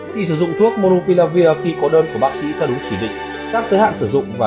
khi sử dụng thuốc monopilavir khi có đơn của bác sĩ theo đúng chỉ định các giới hạn sử dụng và